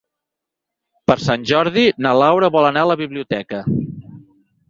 Per Sant Jordi na Laura vol anar a la biblioteca.